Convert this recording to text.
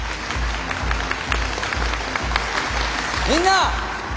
みんな！